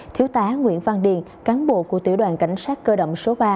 thiếu tá nguyễn văn điền cán bộ của tiểu đoàn cảnh sát cơ động số ba